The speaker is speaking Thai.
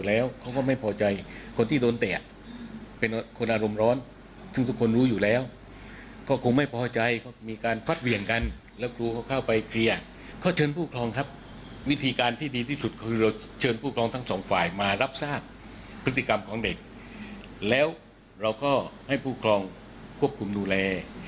แล้วเราก็ให้ผู้ปกครองควบคุมดูแล